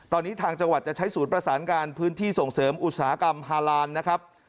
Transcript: ตอนนี้ทางจังหวัดจะใช้ศูนย์ประสานการพื้นที่ส่งเสริมอุตสาหกรรมฮาลานนะครับ